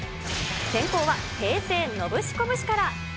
先攻は平成ノブシコブシから。